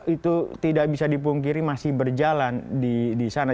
itu tidak bisa dipungkiri masih berjalan di sana